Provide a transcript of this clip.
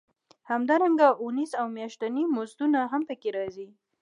همدارنګه اونیز او میاشتني مزدونه هم پکې راځي